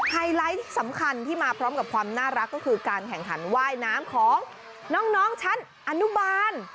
ไฮไลท์สำคัญที่มาพร้อมกับความน่ารักก็คือการแข่งขันว่ายน้ำของน้องชั้นอนุบาล